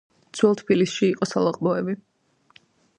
ძველ თბილისში იყო სალაყბოები